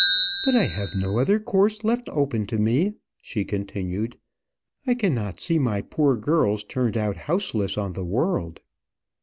"But I have no other course left open to me," she continued. "I cannot see my poor girls turned out houseless on the world."